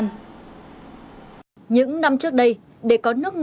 những năm trước đây để có nước ngọt ngầm người dân phải đặt nước ngọt ngầm vào tỉnh quảng bình